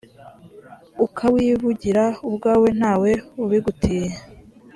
ukawivugira ubwawe ntawe ubigutiye.